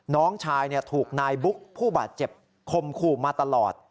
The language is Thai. น้องชายถูกนายบุ๊กผู้บาดเจ็บคมขู่มาตลอด